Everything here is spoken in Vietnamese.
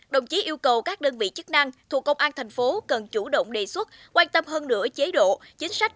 đồng chí yêu cầu các đơn vị chức năng thuộc công an thành phố cần chủ động đề xuất quan tâm hơn nữa chế độ chính sách